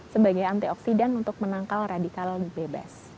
sebagai antioksidan untuk menangkal radikal bebas